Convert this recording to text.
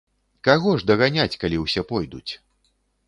Каго ж даганяць, калі ўсе пойдуць.